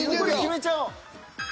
決めちゃおう。